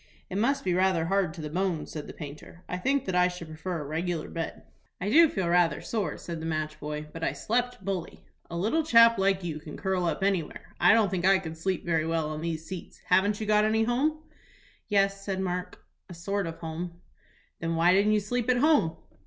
"It must be rather hard to the bones," said the painter. "I think that I should prefer a regular bed." "I do feel rather sore," said the match boy; "but I slept bully." "A little chap like you can curl up anywhere. I don't think I could sleep very well on these seats. Haven't you got any home?" "Yes," said Mark, "a sort of a home." "Then why didn't you sleep at home?"